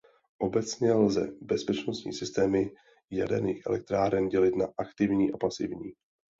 Obecně lze bezpečnostní systémy jaderných elektráren dělit na aktivní a pasivní.